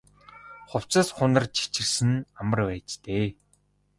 Хувцас хунар чирсэн нь амар байж дээ.